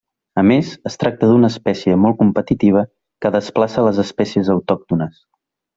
A més, es tracta d'una espècie molt competitiva que desplaça les espècies autòctones.